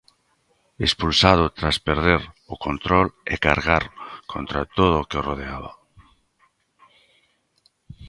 Expulsado tras perder o control e cargar contra todo o que o rodeaba.